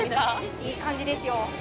いい感じですよ